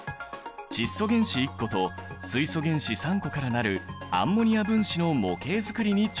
窒素原子１個と水素原子３個から成るアンモニア分子の模型づくりに挑戦！